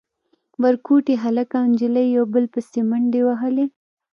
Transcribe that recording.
ورکوټي هلک او نجلۍ يو بل پسې منډې وهلې.